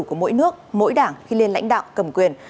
của mỗi nước mỗi đảng khi lên lãnh đạo cầm quyền